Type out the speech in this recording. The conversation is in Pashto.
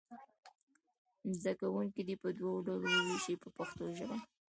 زده کوونکي دې په دوو ډلو وویشئ په پښتو ژبه.